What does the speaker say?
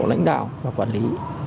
lãnh đạo và quản lý